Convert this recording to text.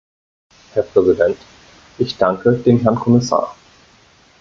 Herr Präsident, ich danke dem Herrn Kommissar.